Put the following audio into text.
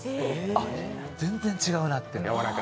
あ、全然違うなって。